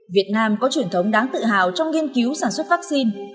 việt nam có truyền thống đáng tự hào trong nghiên cứu sản xuất vắc xin